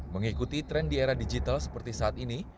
mengikuti tren di era digital seperti saat ini